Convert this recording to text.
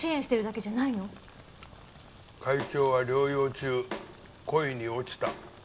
会長は療養中恋に落ちた。